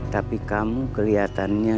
tapi kamu kelihatannya